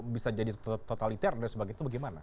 bisa jadi totaliter dan sebagainya itu bagaimana